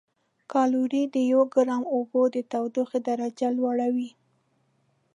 کالوري د یو ګرام اوبو د تودوخې درجه لوړوي.